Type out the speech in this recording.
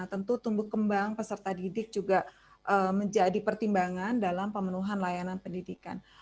tentu tumbuh kembang peserta didik juga menjadi pertimbangan dalam pemenuhan layanan pendidikan